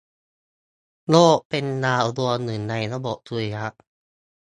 โลกเป็นดาวดวงหนึ่ง ในระบบสุริยะ